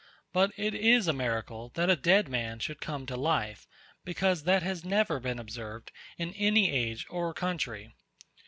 But it is a miracle, that a dead man should come to life; because that has never been observed in any age or country.